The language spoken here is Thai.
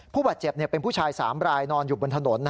ผู้บาดเจ็บเป็นผู้ชาย๓รายนอนอยู่บนถนน